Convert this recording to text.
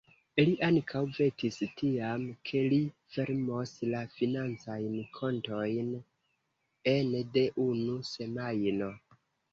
Li ankaŭ vetis tiam, ke li fermos la financajn kontojn ene de unu semajno.